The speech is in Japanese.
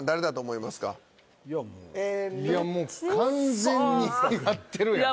いやもう完全にやってるやん。